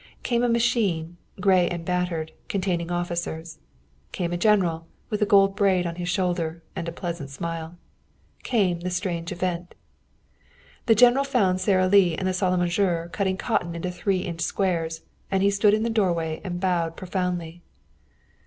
Came a machine, gray and battered, containing officers. Came a general with gold braid on his shoulder, and a pleasant smile. Came the strange event. The general found Sara Lee in the salle à manger cutting cotton into three inch squares, and he stood in the doorway and bowed profoundly.